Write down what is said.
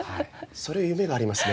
それ夢がありますね。